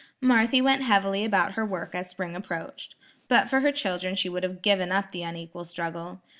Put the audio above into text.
Marthy went heavily about her work as spring approached. But for her children she would have given up the unequal struggle.